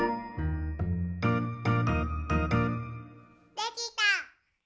できた！